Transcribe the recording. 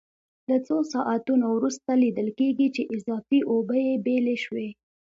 له څو ساعتونو وروسته لیدل کېږي چې اضافي اوبه یې بېلې شوې.